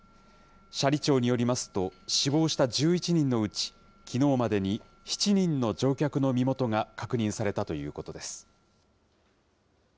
斜里町によりますと、死亡した１１人のうち、きのうまでに７人の乗客の身元が確認されたということです。